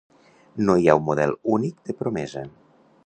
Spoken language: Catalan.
No hi ha un model únic de promesa.